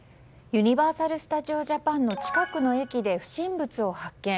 ユニバーサル・スタジオ・ジャパンの近くの駅で不審物を発見。